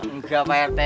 enggak pak rt